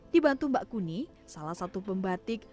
dibantu mbak kuni salah satu pembatik